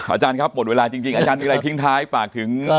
อาจารย์ครับหมดเวลาจริงอาจารย์มีอะไรทิ้งท้ายฝากถึง